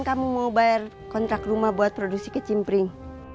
kamu mau bayar kontrak rumah buat produksi ke cimpring